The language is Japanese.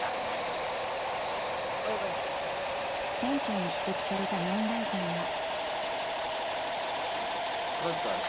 ［店長に指摘された問題点は］